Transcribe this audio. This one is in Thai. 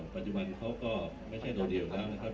ปัจจุบันเขาก็ไม่ใช่โดเดี่ยวแล้วนะครับ